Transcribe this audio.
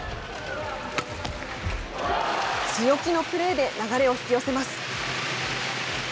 強気のプレーで、流れを引き寄せます。